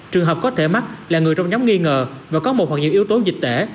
trường hợp có thể mắc là người trong nhóm nghi ngờ và có một hoặc những yếu tố dịch tễ